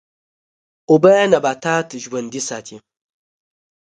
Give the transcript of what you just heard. اوبه نباتات ژوندی ساتي.